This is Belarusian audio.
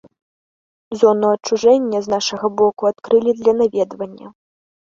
Зону адчужэння з нашага боку адкрылі для наведвання.